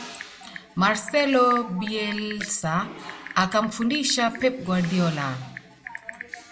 marcelo bielsa akamfundisha pep guardiola